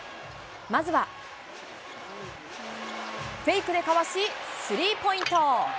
まずは、フェイクでかわし、スリーポイント。